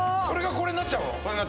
これになっちゃう。